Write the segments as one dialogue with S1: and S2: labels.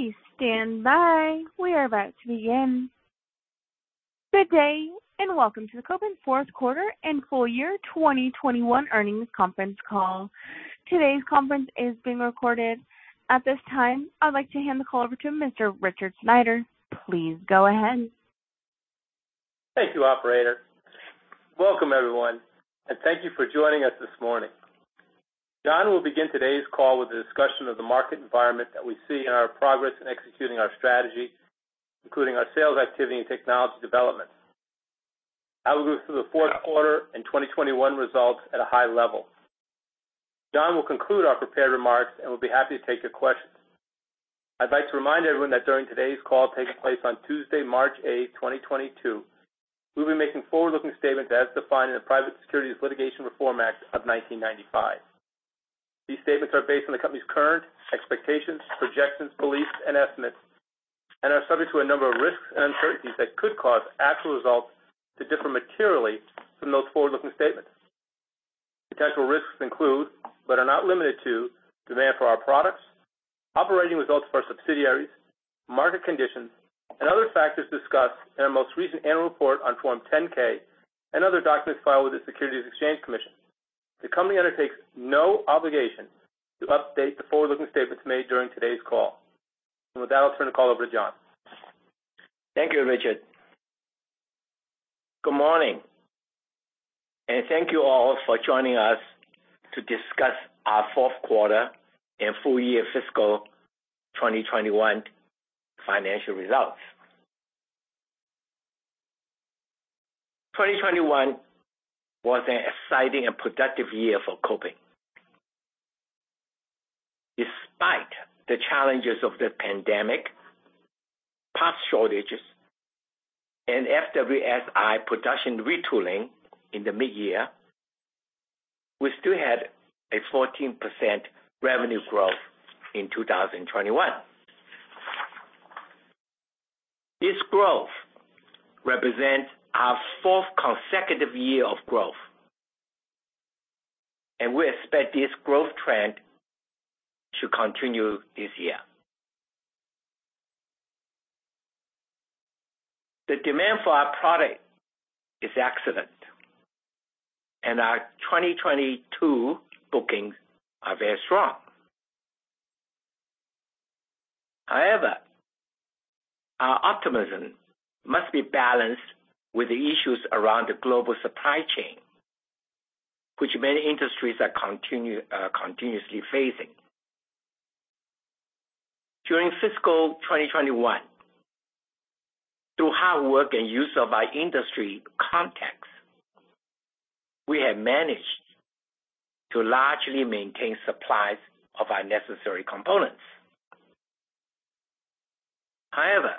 S1: Please stand by. We are about to begin. Good day and welcome to the Kopin Fourth Quarter and Full Year 2021 Earnings Conference Call. Today's conference is being recorded. At this time, I'd like to hand the call over to Mr. Richard Sneider. Please go ahead.
S2: Thank you, operator. Welcome, everyone, and thank you for joining us this morning. John will begin today's call with a discussion of the market environment that we see and our progress in executing our strategy, including our sales activity and technology developments. I will go through the fourth quarter and 2021 results at a high level. John will conclude our prepared remarks and we'll be happy to take your questions. I'd like to remind everyone that during today's call taking place on Tuesday, March 8, 2022, we'll be making forward-looking statements as defined in the Private Securities Litigation Reform Act of 1995. These statements are based on the company's current expectations, projections, beliefs and estimates, and are subject to a number of risks and uncertainties that could cause actual results to differ materially from those forward-looking statements. Potential risks include, but are not limited to, demand for our products, operating results of our subsidiaries, market conditions, and other factors discussed in our most recent annual report on Form 10-K and other documents filed with the Securities and Exchange Commission. The company undertakes no obligation to update the forward-looking statements made during today's call. With that, I'll turn the call over to John.
S3: Thank you, Richard. Good morning, and thank you all for joining us to discuss our fourth quarter and full year fiscal 2021 financial results. 2021 was an exciting and productive year for Kopin. Despite the challenges of the pandemic, parts shortages and FWS-I production retooling in the mid-year, we still had a 14% revenue growth in 2021. This growth represents our fourth consecutive year of growth, and we expect this growth trend to continue this year. The demand for our product is excellent, and our 2022 bookings are very strong. However, our optimism must be balanced with the issues around the global supply chain, which many industries are continuously facing. During fiscal 2021, through hard work and use of our industry contacts, we have managed to largely maintain supplies of our necessary components. However,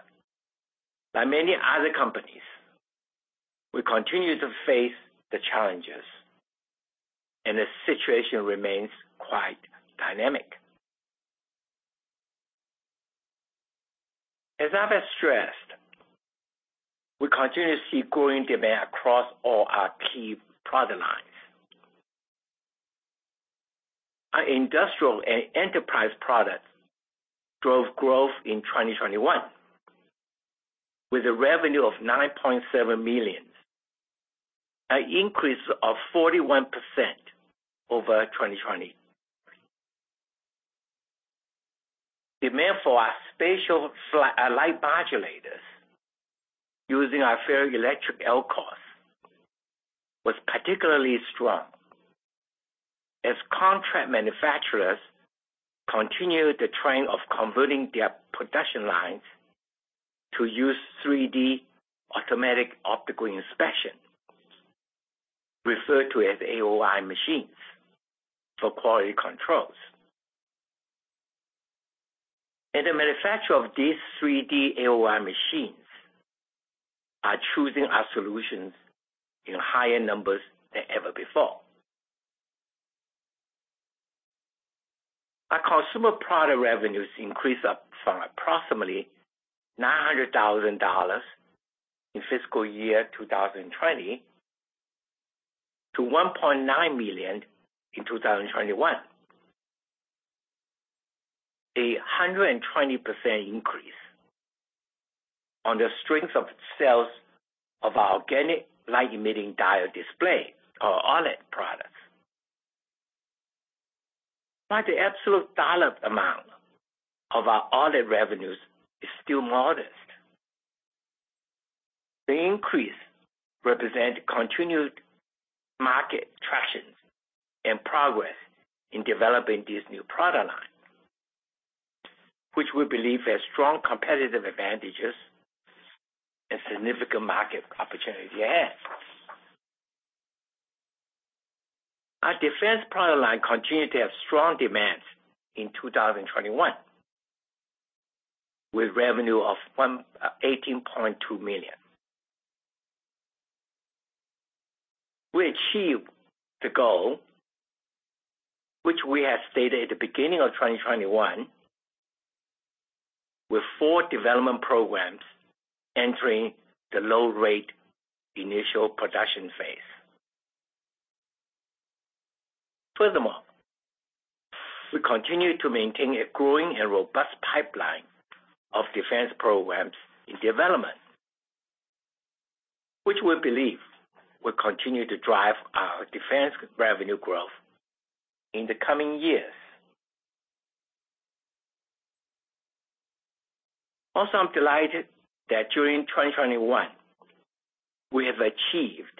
S3: like many other companies, we continue to face the challenges, and the situation remains quite dynamic. As I've stressed, we continue to see growing demand across all our key product lines. Our industrial and enterprise products drove growth in 2021, with a revenue of $9.7 million, an increase of 41% over 2020. Demand for our spatial light modulators using our ferroelectric LCOS was particularly strong as contract manufacturers continued the trend of converting their production lines to use 3D automatic optical inspection, referred to as AOI machines for quality controls. The manufacturer of these 3D AOI machines are choosing our solutions in higher numbers than ever before. Our consumer product revenues increased up from approximately $900,000 in fiscal year 2020 to $1.9 million in 2021. 100% increase on the strength of sales of our organic light-emitting diode display, our OLED products. While the absolute dollar amount of our OLED revenues is still modest, the increase represent continued market traction and progress in developing this new product line, which we believe has strong competitive advantages and significant market opportunity ahead. Our defense product line continued to have strong demands in 2021, with revenue of $18.2 million. We achieved the goal which we had stated at the beginning of 2021, with four development programs entering the Low Rate Initial Production phase. Furthermore, we continue to maintain a growing and robust pipeline of defense programs in development, which we believe will continue to drive our defense revenue growth in the coming years. I'm delighted that during 2021 we have achieved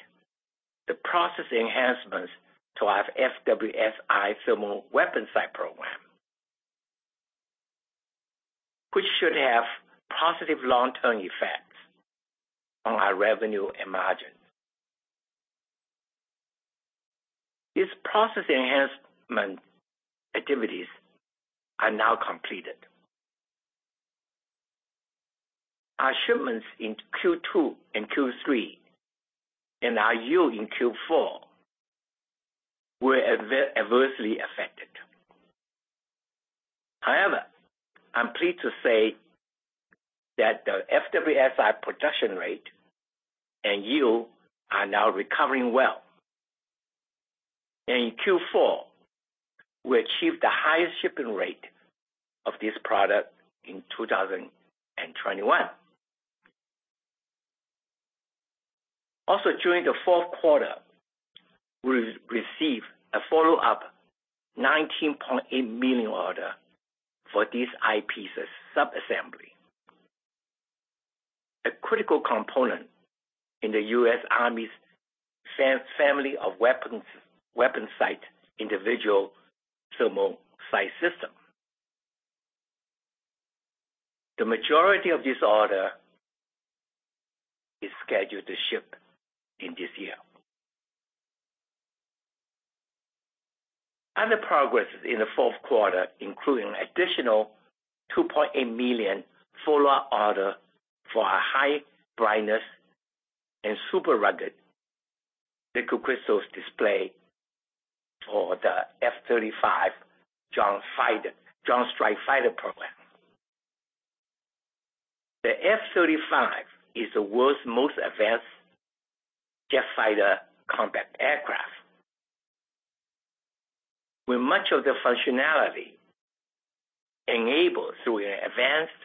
S3: the process enhancements to our FWS-I thermal weapon sight program, which should have positive long-term effects on our revenue and margin. These process enhancement activities are now completed. Our shipments in Q2 and Q3 and our yield in Q4 were adversely affected. However, I'm pleased to say that the FWS-I production rate and yield are now recovering well. In Q4, we achieved the highest shipping rate of this product in 2021. During the fourth quarter, we received a follow-up $19.8 million order for these eyepieces sub-assembly, a critical component in the U.S. Army's family of weapon sights, individual thermal sight system. The majority of this order is scheduled to ship in this year. Other progress in the fourth quarter, including additional $2.8 million follow-up order for our high brightness and super rugged liquid crystal display for the F-35 Joint Strike Fighter program. The F-35 is the world's most advanced jet fighter combat aircraft, with much of the functionality enabled through an advanced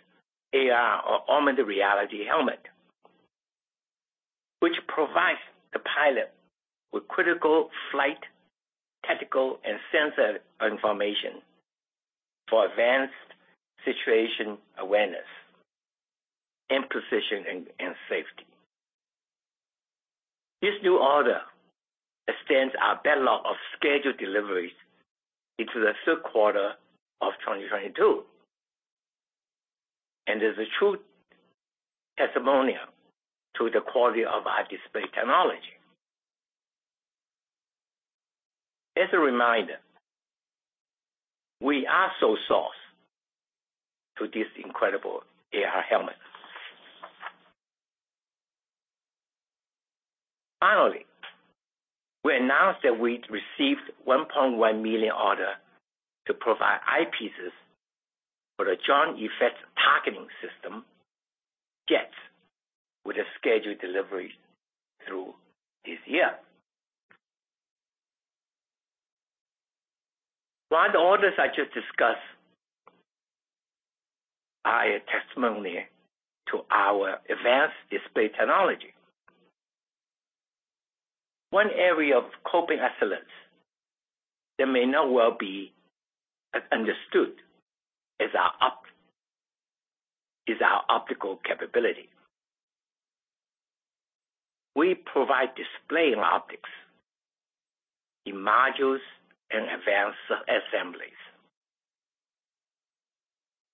S3: AR or augmented reality helmet, which provides the pilot with critical flight, tactical, and sensor information for advanced situation awareness and precision and safety. This new order extends our backlog of scheduled deliveries into the third quarter of 2022 and is a true testimonial to the quality of our display technology. As a reminder, we are sole source to this incredible AR helmet. Finally, we announced that we'd received $1.1 million order to provide eyepieces for the Joint Effects Targeting System, JETS, with a scheduled delivery through this year. While the orders I just discussed are a testimony to our advanced display technology, one area of corporate excellence that may not be well understood is our optical capability. We provide display and optics in modules and advanced assemblies.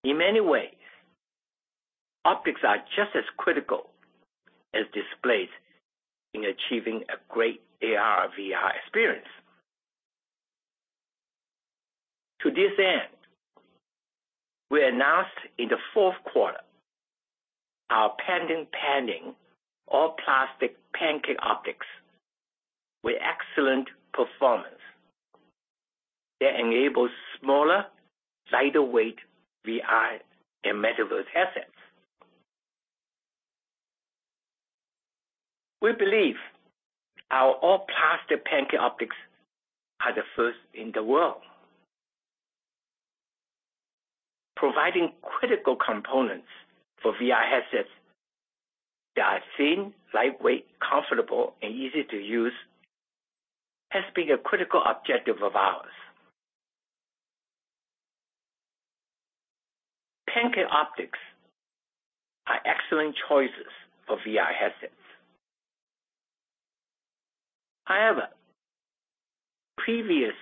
S3: In many ways, optics are just as critical as displays in achieving a great AR/VR experience. To this end, we announced in the fourth quarter our patent-pending all-plastic Pancake optics with excellent performance that enables smaller, lighter weight VR and metaverse headsets. We believe our all-plastic Pancake optics are the first in the world. Providing critical components for VR headsets that are thin, lightweight, comfortable, and easy to use has been a critical objective of ours. Pancake optics are excellent choices for VR headsets. However, previous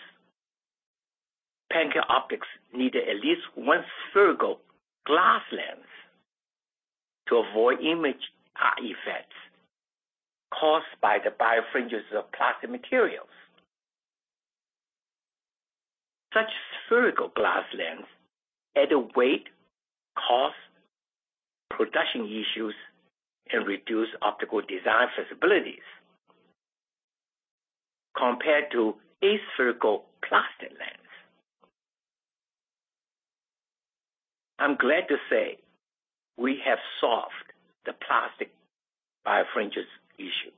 S3: Pancake optics needed at least one spherical glass lens to avoid image artifacts caused by the birefringence of plastic materials. Such spherical glass lenses add weight, cost, production issues, and reduce optical design flexibilities compared to aspherical plastic lenses. I'm glad to say we have solved the plastic birefringence issue.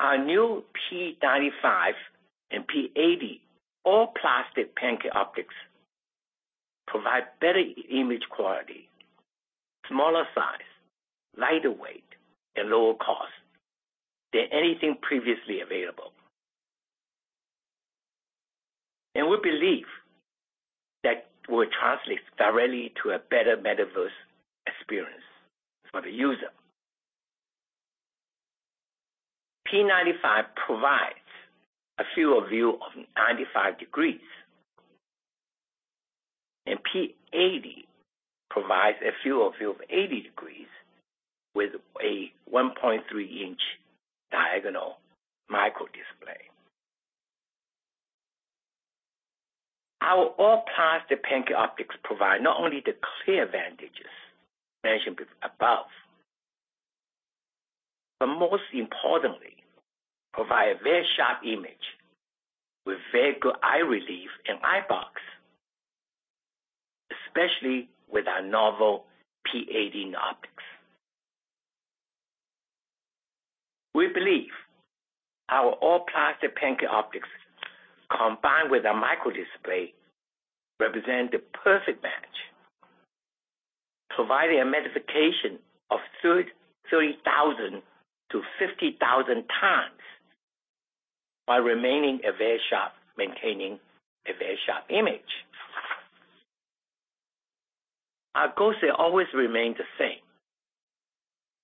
S3: Our new P95 and P80 all-plastic Pancake optics provide better image quality, smaller size, lighter weight, and lower cost than anything previously available. We believe that will translate directly to a better metaverse experience for the user. P95 provides a field of view of 95 degrees. P80 provides a field of view of 80 degrees with a 1.3-inch diagonal microdisplay. Our all-plastic Pancake optics provide not only the clear advantages mentioned above, but most importantly, provide a very sharp image with very good eye relief and eye box, especially with our novel P80 optics. We believe our all-plastic Pancake optics, combined with our microdisplay, represent the perfect match, providing a magnification of 30,000x-50,000x while maintaining a very sharp image. Our goals always remain the same,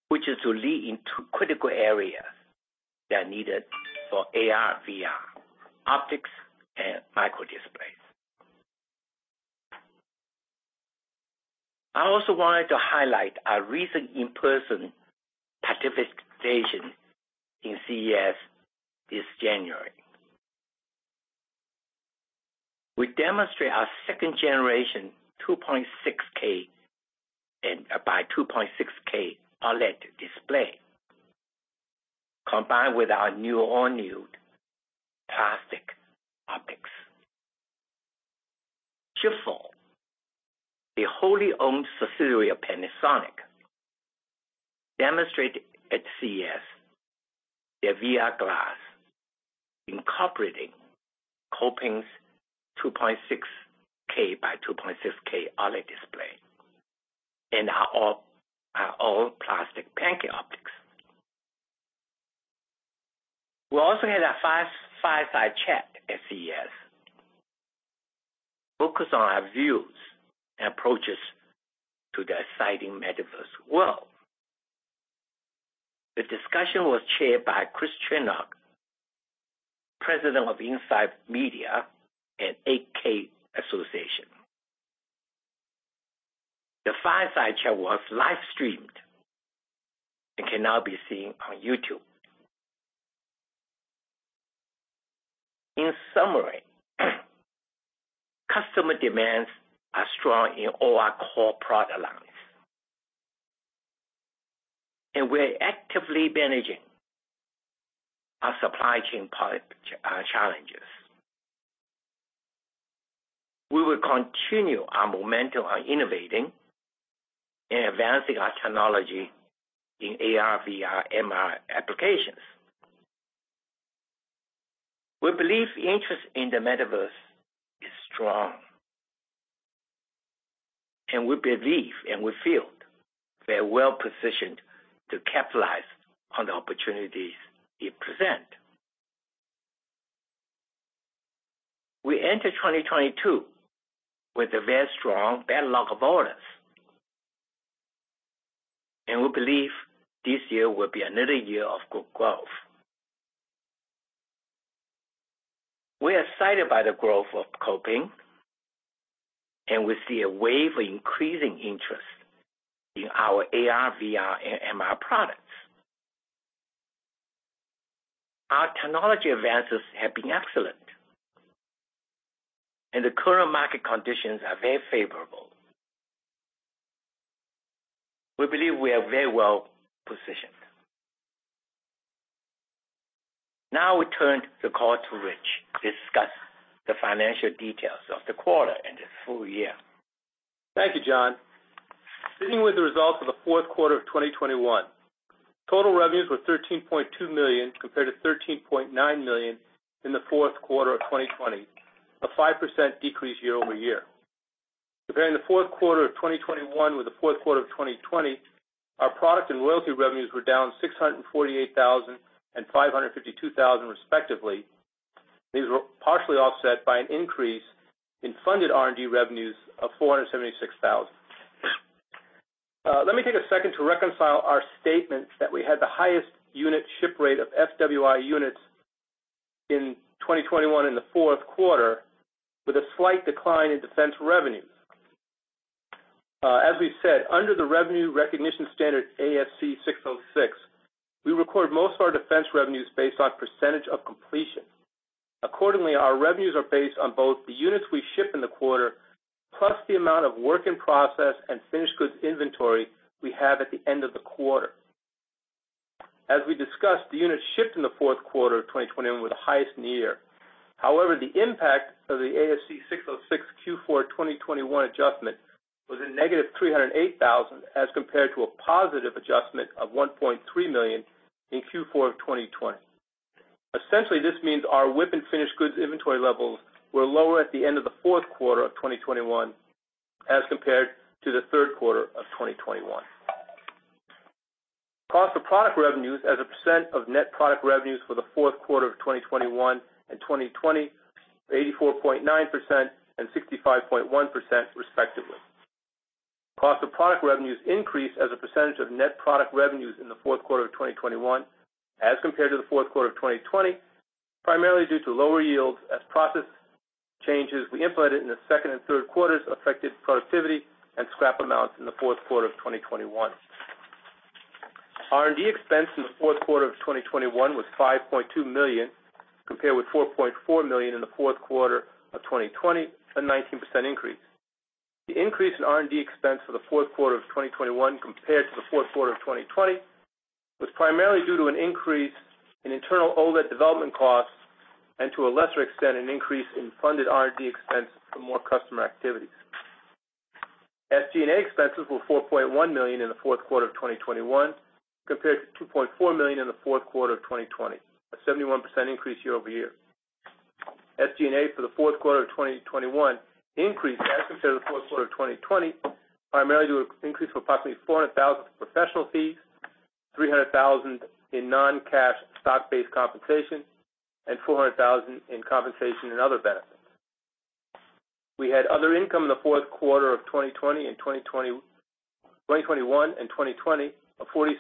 S3: which is to lead in two critical areas that are needed for AR/VR, optics and microdisplays. I also wanted to highlight our recent in-person participation in CES this January. We demonstrated our second generation 2.6K by 2.6K OLED display, combined with our new all-plastic optics. Shiftall, the wholly owned subsidiary of Panasonic, demonstrated at CES their VR glasses incorporating Kopin's 2.6K by 2.6K OLED display and our all-plastic Pancake optics. We also had a fireside chat at CES focused on our views and approaches to the exciting metaverse world. The discussion was chaired by Chris Chinnock, president of Insight Media and 8K Association. The fireside chat was live-streamed and can now be seen on YouTube. In summary, customer demands are strong in all our core product lines. We're actively managing our supply chain challenges. We will continue our momentum on innovating and advancing our technology in AR/VR/MR applications. We believe interest in the metaverse is strong. We believe, and we feel very well-positioned to capitalize on the opportunities it present. We enter 2022 with a very strong backlog of orders. We believe this year will be another year of good growth. We are excited by the growth of Kopin, and we see a wave of increasing interest in our AR/VR and MR products. Our technology advances have been excellent. The current market conditions are very favorable. We believe we are very well-positioned. Now I will turn the call to Rich to discuss the financial details of the quarter and the full year.
S2: Thank you, John. Starting with the results of the fourth quarter of 2021. Total revenues were $13.2 million compared to $13.9 million in the fourth quarter of 2020, a 5% decrease year-over-year. Comparing the fourth quarter of 2021 with the fourth quarter of 2020, our product and royalty revenues were down $648,000 and $552,000, respectively. These were partially offset by an increase in funded R&D revenues of $476,000. Let me take a second to reconcile our statements that we had the highest unit ship rate of FWS-I units in 2021 in the fourth quarter with a slight decline in defense revenues. As we said, under the revenue recognition standard ASC 606, we record most of our defense revenues based on percentage of completion. Accordingly, our revenues are based on both the units we ship in the quarter, plus the amount of work in process and finished goods inventory we have at the end of the quarter. As we discussed, the units shipped in the fourth quarter of 2021 were the highest in the year. However, the impact of the ASC 606 Q4 2021 adjustment was a -$308,000 as compared to a positive adjustment of $1.3 million in Q4 of 2020. Essentially, this means our WIP and finished goods inventory levels were lower at the end of the fourth quarter of 2021 as compared to the third quarter of 2021. Cost of product revenues as a percent of net product revenues for the fourth quarter of 2021 and 2020, 84.9% and 65.1% respectively. Cost of product revenues increased as a percentage of net product revenues in the fourth quarter of 2021 as compared to the fourth quarter of 2020, primarily due to lower yields as process changes we implemented in the second and third quarters affected productivity and scrap amounts in the fourth quarter of 2021. R&D expense in the fourth quarter of 2021 was $5.2 million, compared with $4.4 million in the fourth quarter of 2020, a 19% increase. The increase in R&D expense for the fourth quarter of 2021 compared to the fourth quarter of 2020 was primarily due to an increase in internal OLED development costs and to a lesser extent, an increase in funded R&D expense for more customer activities. SG&A expenses were $4.1 million in the fourth quarter of 2021 compared to $2.4 million in the fourth quarter of 2020, a 71% increase year-over-year. SG&A for the fourth quarter of 2021 increased as compared to the fourth quarter of 2020, primarily due to an increase of approximately $400,000 for professional fees, $300,000 in non-cash stock-based compensation, and $400,000 in compensation and other benefits. We had other income in the fourth quarter of 2021 and 2020 of $46,000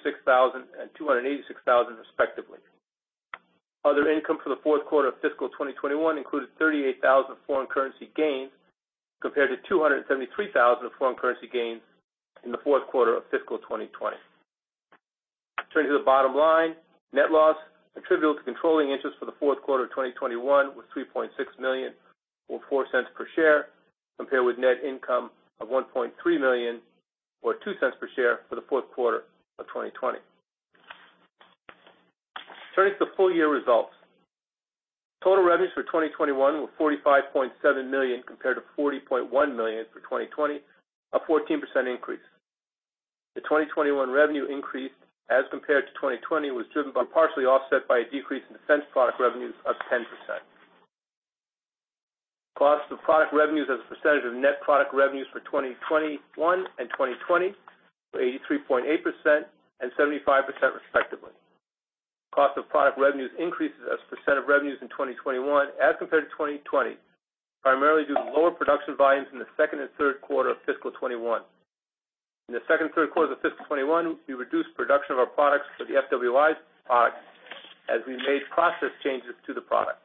S2: and $286,000 respectively. Other income for the fourth quarter of fiscal 2021 included $38,000 foreign currency gains compared to $273,000 of foreign currency gains in the fourth quarter of fiscal 2020. Turning to the bottom line, net loss attributable to controlling interest for the fourth quarter of 2021 was $3.6 million or $0.04 per share, compared with net income of $1.3 million or $0.02 per share for the fourth quarter of 2020. Turning to the full year results. Total revenues for 2021 were $45.7 million compared to $40.1 million for 2020, a 14% increase. The 2021 revenue increase as compared to 2020 was driven by partially offset by a decrease in defense product revenues of 10%. Cost of product revenues as a percentage of net product revenues for 2021 and 2020 were 83.8% and 75% respectively. Cost of product revenues increases as a percent of revenues in 2021 as compared to 2020, primarily due to lower production volumes in the second and third quarter of fiscal 2021. In the second and third quarters of fiscal 2021, we reduced production of our products for the FWS-I but as we made process changes to the product.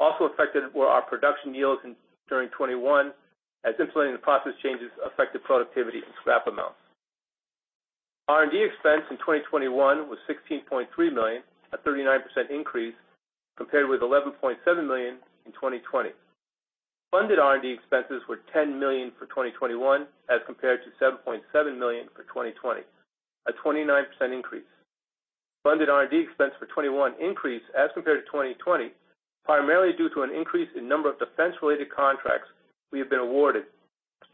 S2: Also affected were our production yields during 2021 as implementing the process changes affected productivity and scrap amounts. R&D expense in 2021 was $16.3 million, a 39% increase compared with $11.7 million in 2020. Funded R&D expenses were $10 million for 2021 as compared to $7.7 million for 2020, a 29% increase. Funded R&D expense for 2021 increased as compared to 2020, primarily due to an increase in number of defense-related contracts we have been awarded,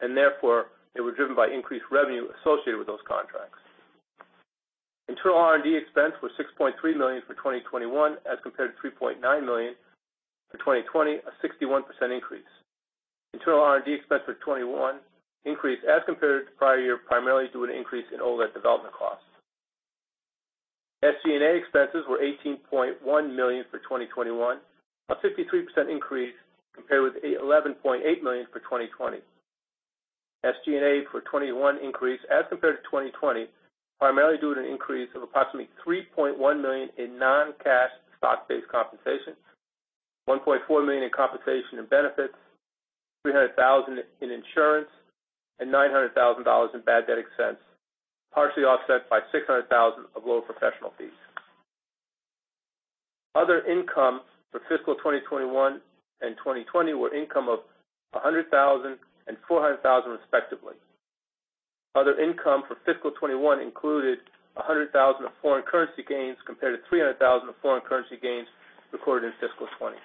S2: and therefore it was driven by increased revenue associated with those contracts. Internal R&D expense was $6.3 million for 2021 as compared to $3.9 million for 2020, a 61% increase. Internal R&D expense for 2021 increased as compared to prior year, primarily due to an increase in OLED development costs. SG&A expenses were $18.1 million for 2021, a 53% increase compared with $11.8 million for 2020. SG&A for 2021 increased as compared to 2020, primarily due to an increase of approximately $3.1 million in non-cash stock-based compensation, $1.4 million in compensation and benefits, $300,000 in insurance, and $900,000 in bad debt expense, partially offset by $600,000 of lower professional fees. Other income for fiscal 2021 and 2020 were income of $100,000 and $400,000 respectively. Other income for fiscal 2021 included $100,000 of foreign currency gains compared to $300,000 of foreign currency gains recorded in fiscal 2020.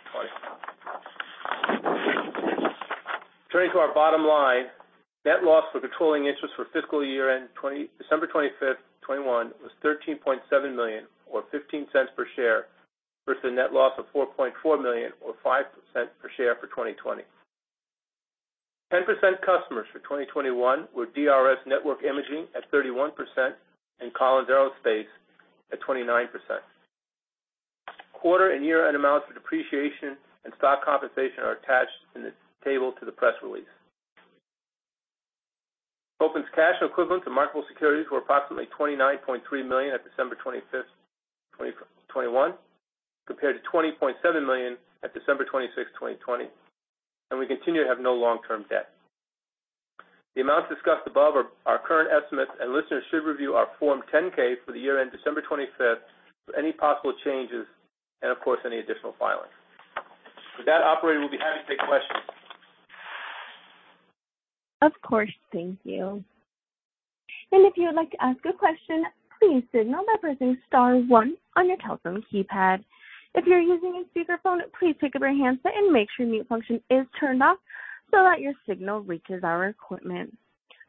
S2: Turning to our bottom line. Net loss for controlling interest for fiscal year-end December 25th, 2021 was $13.7 million or $0.15 per share versus a net loss of $4.4 million or $0.05 per share for 2020. 10% customers for 2021 were DRS Network & Imaging Systems at 31% and Collins Aerospace at 29%. Quarter and year-end amounts for depreciation and stock compensation are attached in the table to the press release. Kopin's cash equivalents and marketable securities were approximately $29.3 million at December 25th, 2021, compared to $20.7 million at December 26th, 2020, and we continue to have no long-term debt. The amounts discussed above are our current estimates, and listeners should review our Form 10-K for the year ended December 25th for any possible changes and of course, any additional filings. With that, operator, we'll be happy to take questions.
S1: Of course. Thank you. If you would like to ask a question, please signal by pressing star one on your telephone keypad. If you're using a speakerphone, please pick up your handset and make sure mute function is turned off so that your signal reaches our equipment.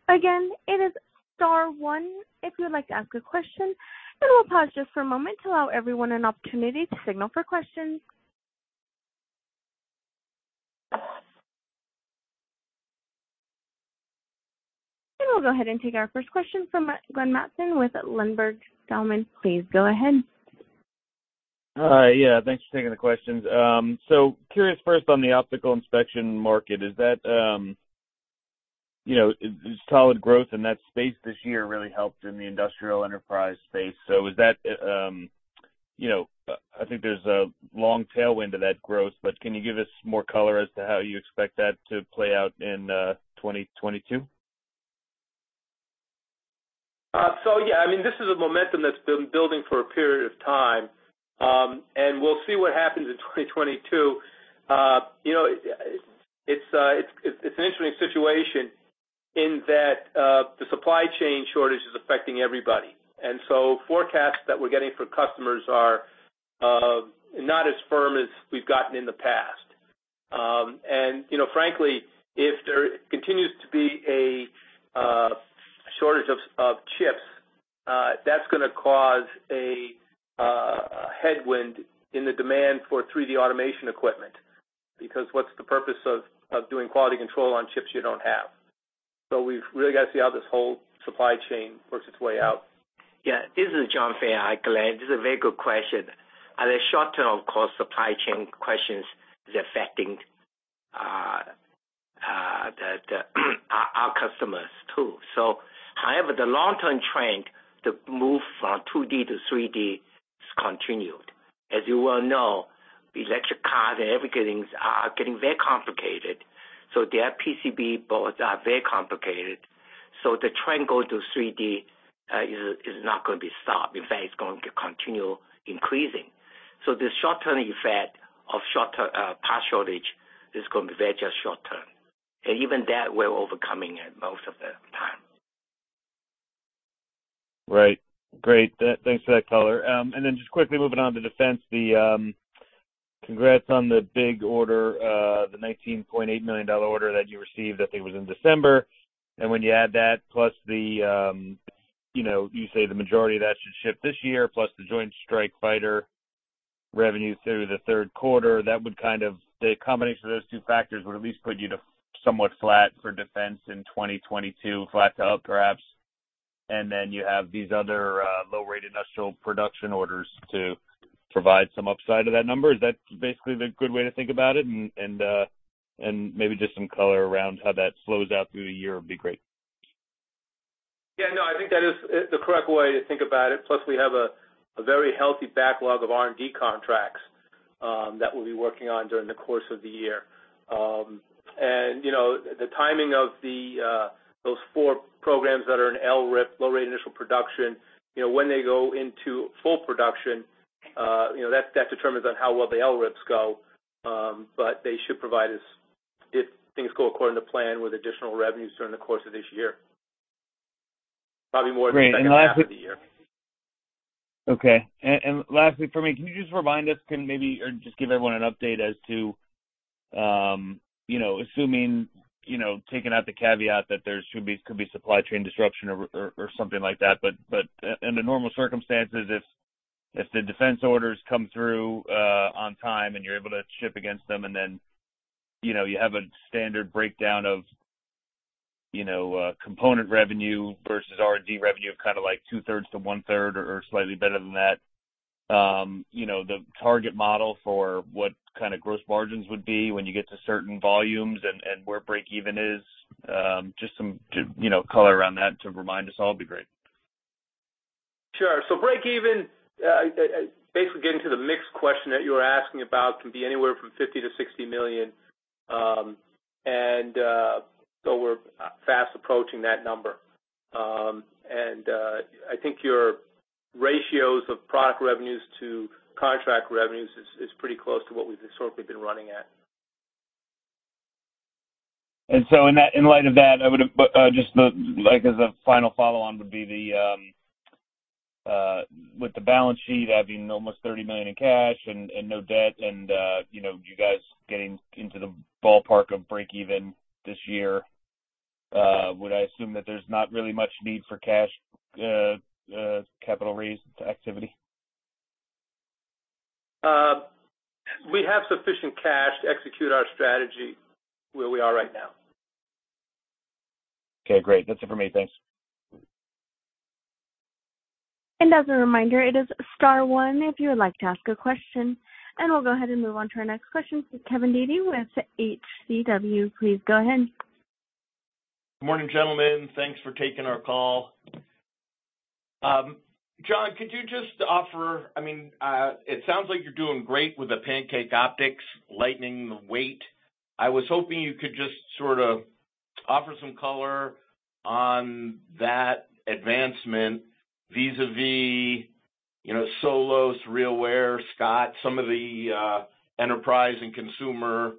S1: Again, it is star one if you would like to ask a question. We'll pause just for a moment to allow everyone an opportunity to signal for questions. We'll go ahead and take our first question from Glenn Mattson with Ladenburg Thalmann. Please go ahead.
S4: Yeah, thanks for taking the questions. I'm curious first on the optical inspection market, is that you know solid growth in that space this year really helped in the industrial enterprise space. Is that, you know, I think there's a long tailwind to that growth, but can you give us more color as to how you expect that to play out in 2022?
S2: Yeah, I mean, this is a momentum that's been building for a period of time. We'll see what happens in 2022. You know, it's an interesting situation in that the supply chain shortage is affecting everybody. Forecasts that we're getting from customers are not as firm as we've gotten in the past. You know, frankly, if there continues to be a shortage of chips, that's gonna cause a headwind in the demand for 3D automation equipment, because what's the purpose of doing quality control on chips you don't have? We've really got to see how this whole supply chain works its way out.
S3: This is John Fan. Hi, Glenn. This is a very good question. At the short term, of course, supply chain questions is affecting our customers too. However, the long-term trend to move from 2D to 3D is continued. As you well know, electric cars and everything are getting very complicated, so their PCB boards are very complicated. The trend going to 3D is not gonna be stopped. In fact, it's going to continue increasing. The short-term effect of shorter part shortage is going to be very just short-term. Even that, we're overcoming it most of the time.
S4: Right. Great. Thanks for that color. Then just quickly moving on to defense, congrats on the big order, the $19.8 million order that you received, I think it was in December. When you add that plus the, you know, you say the majority of that should ship this year, plus the Joint Strike Fighter revenue through the third quarter, the combination of those two factors would at least put you to somewhat flat for defense in 2022, flat to up perhaps. Then you have these other low-rate initial production orders to provide some upside to that number. Is that basically the good way to think about it? Maybe just some color around how that plays out through the year would be great.
S2: Yeah, no, I think that is the correct way to think about it, plus we have a very healthy backlog of R&D contracts that we'll be working on during the course of the year. You know, the timing of those four programs that are in LRIP, Low Rate Initial Production, you know, when they go into full production, you know, that depends on how well the LRIPs go. They should provide us, if things go according to plan, with additional revenues during the course of this year. Probably more in the second half of the year.
S4: Okay. Lastly for me, can you just remind us or maybe just give everyone an update as to, you know, assuming, you know, taking out the caveat that there could be supply chain disruption or something like that. In the normal circumstances, if the defense orders come through on time and you're able to ship against them and then, you know, you have a standard breakdown of, you know, component revenue versus R&D revenue of kind of like two-thirds to one-third or slightly better than that, you know, the target model for what kind of gross margins would be when you get to certain volumes and where break even is. Just some, you know, color around that to remind us all will be great.
S2: Sure. Break even, basically getting to the mix question that you were asking about, can be anywhere from $50 million-$60 million. We're fast approaching that number. I think your ratios of product revenues to contract revenues is pretty close to what we've historically been running at.
S4: In light of that, I would have just like as a final follow on would be the with the balance sheet having almost $30 million in cash and no debt and you know you guys getting into the ballpark of break even this year would I assume that there's not really much need for cash capital raise activity?
S2: We have sufficient cash to execute our strategy where we are right now.
S4: Okay, great. That's it for me. Thanks.
S1: As a reminder, it is star one if you would like to ask a question. We'll go ahead and move on to our next question from Kevin Dede with HCW. Please go ahead.
S5: Good morning, gentlemen. Thanks for taking our call. John, it sounds like you're doing great with the Pancake optics, lightening the weight. I was hoping you could just sort of offer some color on that advancement vis-à-vis, you know, Solos, RealWear, Scott, some of the enterprise and consumer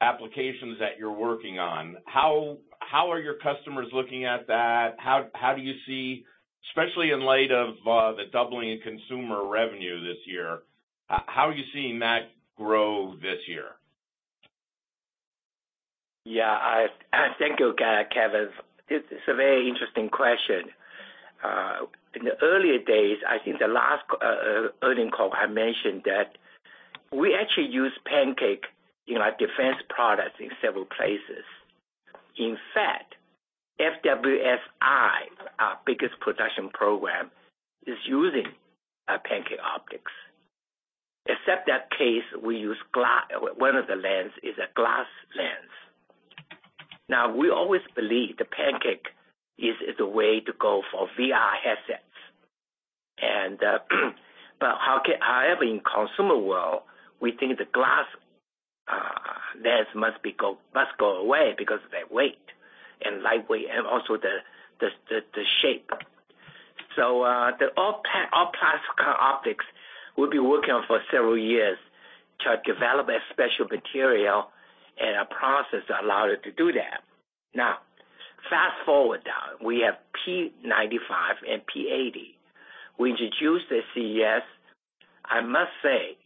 S5: applications that you're working on. How are your customers looking at that? How do you see, especially in light of the doubling in consumer revenue this year, how are you seeing that grow this year?
S3: Yeah, I thank you, Kevin. It's a very interesting question. In the earlier days, I think the last earnings call, I mentioned that we actually use Pancake in our defense products in several places. In fact, FWS-I, our biggest production program, is using Pancake optics. Except in that case, one of the lenses is a glass lens. Now, we always believe the Pancake is the way to go for VR headsets. However, in consumer world, we think the glass lens must go away because of their weight and lightweight and also the shape. The all plastic optics, we've been working on for several years to develop a special material and a process that allow it to do that. Now, fast forward, we have P95 and P80. We introduced the CES. I must say,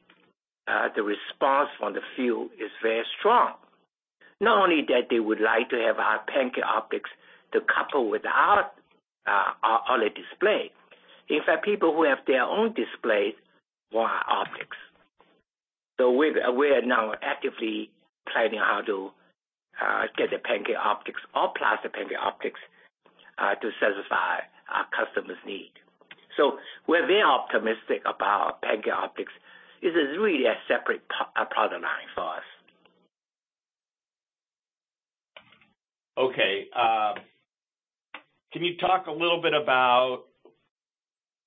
S3: the response from the field is very strong. Not only that they would like to have our Pancake optics to couple with our OLED display. In fact, people who have their own displays want our optics. We're now actively planning how to get the Pancake optics, all-plastic Pancake optics, to satisfy our customers' need. We're very optimistic about Pancake optics. This is really a separate product line for us.
S5: Okay. Can you talk a little bit about,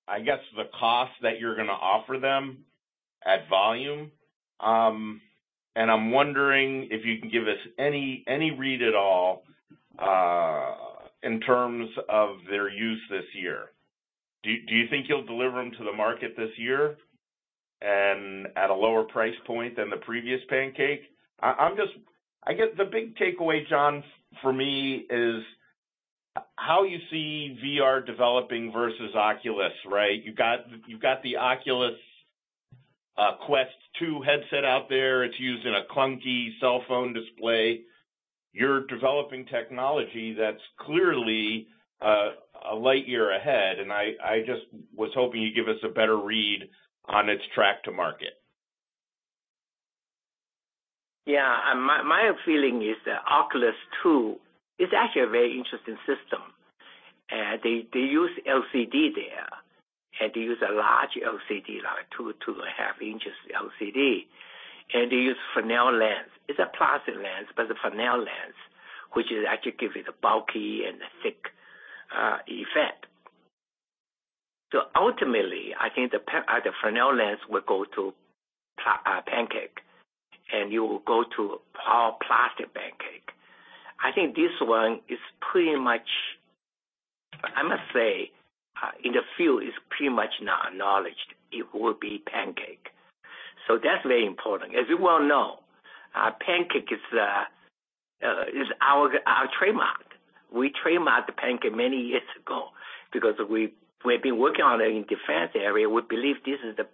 S5: I guess, the cost that you're gonna offer them at volume? I'm wondering if you can give us any read at all, in terms of their use this year. Do you think you'll deliver them to the market this year and at a lower price point than the previous Pancake? I'm just, I guess the big takeaway, John, for me is how you see VR developing versus Oculus, right? You've got the Oculus Quest 2 headset out there. It's used in a clunky cellphone display. You're developing technology that's clearly, a light year ahead, and I just was hoping you'd give us a better read on its track to market.
S3: Yeah. My feeling is that Oculus 2 is actually a very interesting system. They use LCD there, and they use a large LCD, like 2.5 inches LCD. They use Fresnel lens. It's a plastic lens, but a Fresnel lens, which actually gives it a bulky and a thick effect. Ultimately, I think the Fresnel lens will go to Pancake, and you will go to all plastic Pancake. I think this one is pretty much, I must say, in the field is pretty much now acknowledged it will be Pancake. That's very important. As you well know, our Pancake is our trademark. We trademark the Pancake many years ago because we've been working on it in defense area. We believe this is the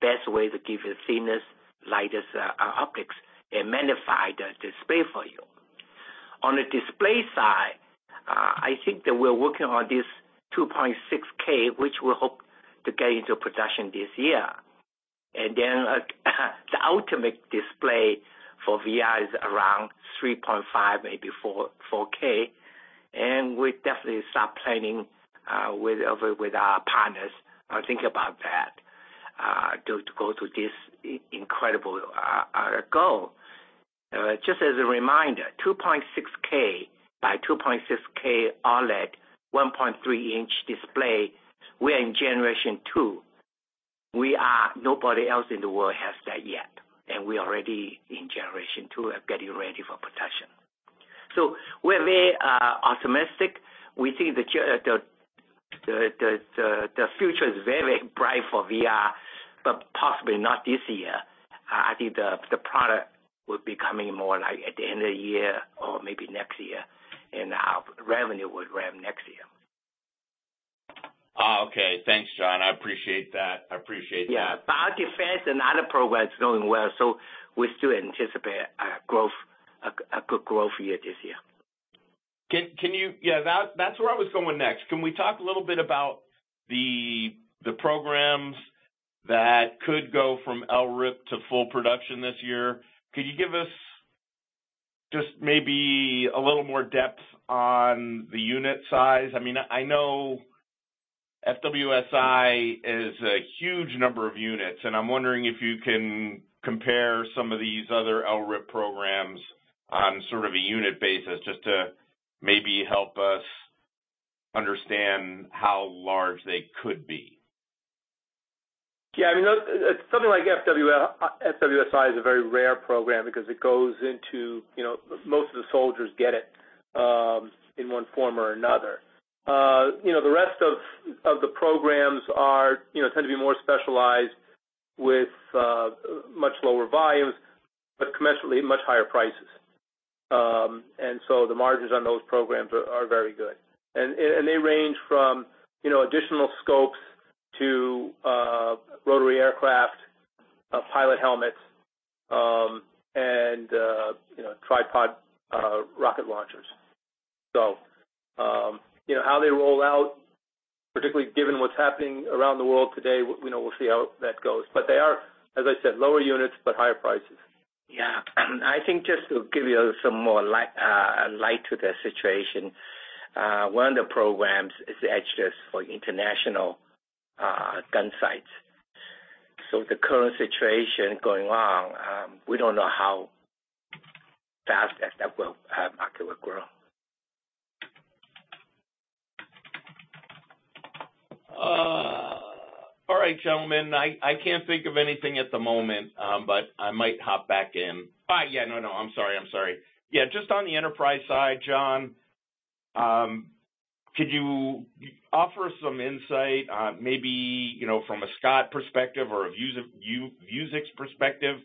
S3: best way to give you thinnest, lightest optics and magnify the display for you. On the display side, I think that we're working on this 2.6K, which we hope to get into production this year. Then, the ultimate display for VR is around 3.5, maybe 4K. We definitely start planning with our partners, think about that, to go to this incredible goal. Just as a reminder, 2.6K by 2.6K OLED 1.3-inch display, we are in generation two. Nobody else in the world has that yet, and we're already in generation two and getting ready for production. We're very optimistic. We think the future is very bright for VR, but possibly not this year. I think the product will be coming more like at the end of the year or maybe next year, and our revenue will ramp next year.
S5: Oh, okay. Thanks, John. I appreciate that. I appreciate that.
S3: Our defense and other programs are going well, so we still anticipate a good growth year this year.
S5: Can you... Yeah, that's where I was going next. Can we talk a little bit about the programs that could go from LRIP to full production this year? Could you give us just maybe a little more depth on the unit size? I mean, I know FWS-I is a huge number of units, and I'm wondering if you can compare some of these other LRIP programs on sort of a unit basis just to maybe help us understand how large they could be.
S2: Yeah, I mean, something like FWS-I is a very rare program because it goes into, you know, most of the soldiers get it in one form or another. You know, the rest of the programs, you know, tend to be more specialized with much lower volumes, but commensurately much higher prices. The margins on those programs are very good. And they range from, you know, additional scopes to rotary aircraft, pilot helmets, and, you know, tripod rocket launchers. You know, how they roll out, particularly given what's happening around the world today, we know we'll see how that goes. They are, as I said, lower units, but higher prices.
S3: Yeah. I think just to give you some more light to the situation, one of the programs is the HS for international gun sights. With the current situation going on, we don't know how fast that will grow.
S5: All right, gentlemen. I can't think of anything at the moment, but I might hop back in. Yeah, no, I'm sorry. I'm sorry. Yeah, just on the enterprise side, John, could you offer some insight, maybe, you know, from a Scott perspective or a Vuzix perspective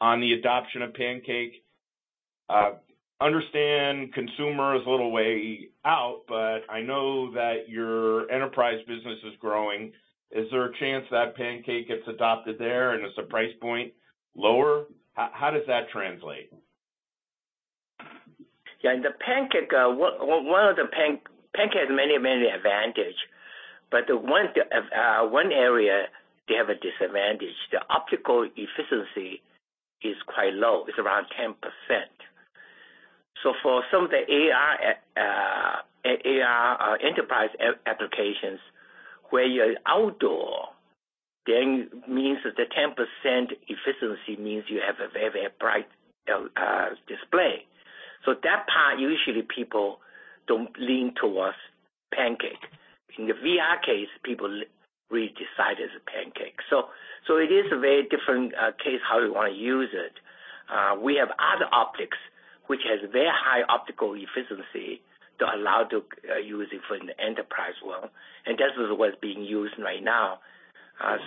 S5: on the adoption of Pancake? Understand consumer is a little way out, but I know that your enterprise business is growing. Is there a chance that Pancake gets adopted there and is the price point lower? How does that translate?
S3: Yeah. The Pancake, one of the Pancake has many advantages, but the one area they have a disadvantage, the optical efficiency is quite low. It's around 10%. So for some of the AR enterprise applications where you're outdoors, that means that the 10% efficiency means you have a very bright display. So that part, usually people don't lean towards Pancake. In the VR case, people really decide as a Pancake. It is a very different case how you wanna use it. We have other optics which has very high optical efficiency that allow to use it for an enterprise world, and that is what's being used right now.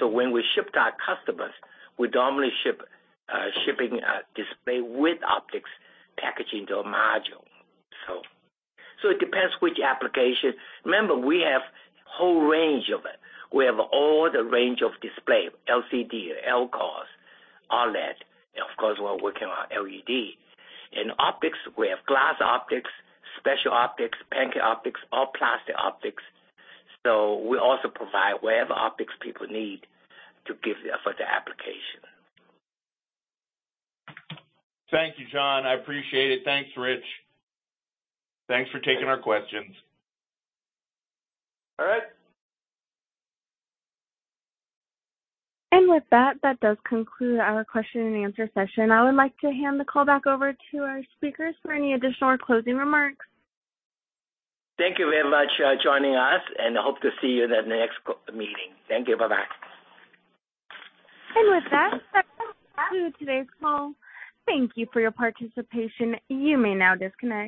S3: When we ship to our customers, we'd normally ship a display with optics packaging to a module. It depends which application. Remember, we have whole range of it. We have all the range of display, LCD, LCOS, OLED, and of course, we're working on LED. In optics, we have glass optics, special optics, Pancake optics, all plastic optics. We also provide whatever optics people need to give for the application.
S5: Thank you, John. I appreciate it. Thanks, Rich. Thanks for taking our questions. All right.
S1: With that does conclude our question and answer session. I would like to hand the call back over to our speakers for any additional or closing remarks.
S3: Thank you very much, joining us, and hope to see you in the next meeting. Thank you. Bye-bye.
S1: With that concludes today's call. Thank you for your participation. You may now disconnect.